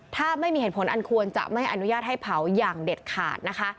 ถ้าไม่มีเหตุผลอันควรจะไม่อนุญาตให้เผาอย่างเด็ดขาดนะคะ